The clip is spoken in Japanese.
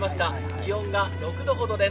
気温が６度ほどです。